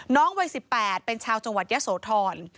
วัย๑๘เป็นชาวจังหวัดยะโสธร